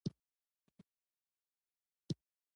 ماښام انجنیر تواب بالاکرزی کور ته راغی.